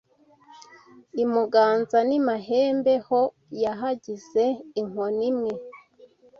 I Muganza n’i Mahembe, ho yahagize inkoni imwe